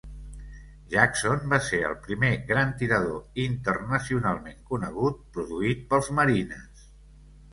Jackson va ser el primer gran tirador internacionalment conegut produït pels marines.